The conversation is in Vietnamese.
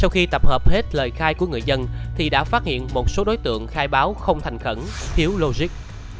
khi tập hợp hết lời khai của người dân thì đã phát hiện một số đối tượng khai báo không thành khẩn thiếu logic